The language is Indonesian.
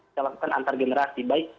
kita lakukan antar generasi baik